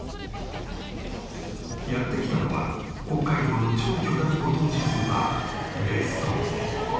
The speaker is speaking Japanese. やって来たのは北海道の超巨大ご当地スーパーＢＥＳＴＯＭ。